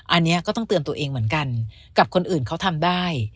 อันนี้ก็ต้องเตือนตัวเองเหมือนกันกับคนอื่นเขาทำได้